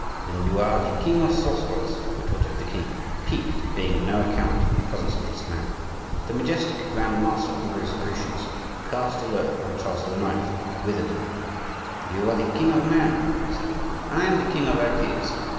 "Then you are the king of sorcerers?" retorted the king, piqued at being of no account in the presence of this man. The majestic grand master of the Rosicrucians cast a look on Charles IX. which withered him. "You are the king of men," he said; "I am the king of ideas.